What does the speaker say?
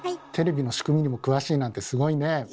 テレビの仕組みにも詳しいなんてすごいねえ。